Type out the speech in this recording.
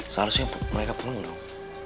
seharusnya mereka pulang udang